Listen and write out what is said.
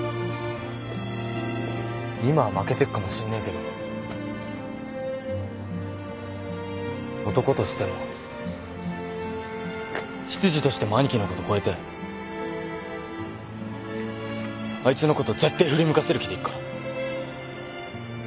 今は負けてっかもしんねえけど男としても執事としても兄貴のこと超えてあいつのこと絶対振り向かせる気でいっから。